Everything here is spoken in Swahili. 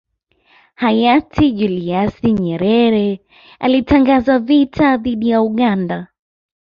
Hayati Julius Nyerere alitangaza vita dhidi ya Uganda